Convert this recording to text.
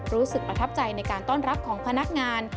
รู้สึกประทับใจในการต้อนรับของพนักงาน